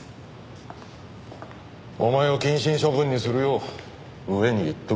お前を謹慎処分にするよう上に言っとく。